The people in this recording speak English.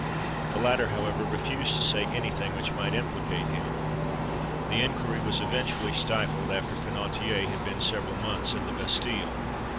The latter, however, refused to say any thing which might implicate him. The inquiry was eventually stifled, after Penautier had been several months in the Bastille.